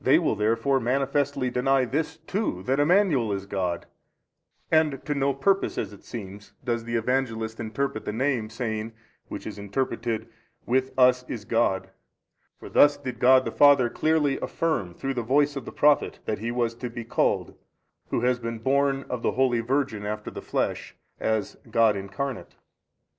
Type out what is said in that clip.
A. They will therefore manifestly deny this too, that Emmanuel is God, and to no purpose as it seems, does the Evangelist interpret the name saying, Which is interpreted, With us is God, for thus did God the Father clearly affirm through the voice of the Prophet that He was to be called Who has been born of the holy Virgin after the flesh, as God Incarnate.